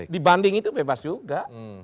di banding itu bebas juga